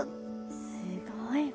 すごいわ。